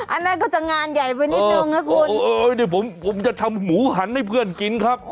อันนั้นก็จะงานใหญ่ไปนิดนึงนะคุณโอ้ยเดี๋ยวผมผมจะทำหมูหันให้เพื่อนกินครับ